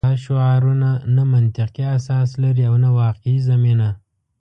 دا شعارونه نه منطقي اساس لري او نه واقعي زمینه